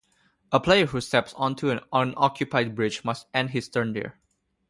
A player who steps onto an unoccupied bridge must end his turn there.